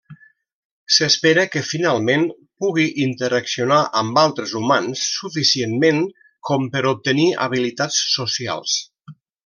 S'espera que finalment pugui interaccionar amb altres humans suficientment com per obtenir habilitats socials.